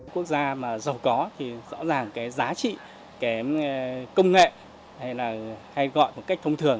quốc gia mà giàu có thì rõ ràng cái giá trị cái công nghệ hay là hay gọi một cách thông thường